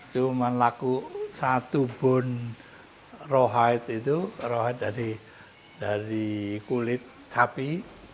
cuman laku satu bone raw hide itu raw hide dari kulit sapi